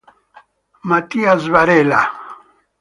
Matias Varela